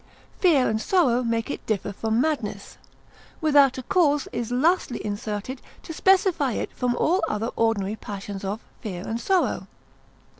(Fear and sorrow) make it differ from madness: [without a cause] is lastly inserted, to specify it from all other ordinary passions of [fear and sorrow.